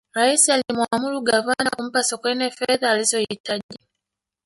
raisi alimwamuru gavana kumpa sokoine fedha alizohitaji